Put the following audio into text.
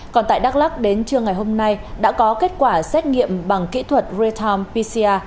còn tại đắk lắc đến trưa ngày hôm nay đã có kết quả xét nghiệm bằng kỹ thuật real time pcr